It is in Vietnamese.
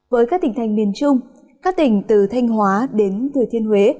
với các tỉnh thành miền trung các tỉnh từ thanh hóa đến thừa thiên huế